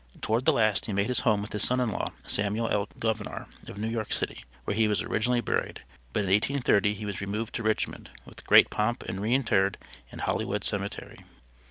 Toward the last he made his home with his son in law, Samuel L. Gouverneur of New York city, where he was originally buried, but in 1830 he was removed to Richmond with great pomp and re interred in Holleywood Cemetery.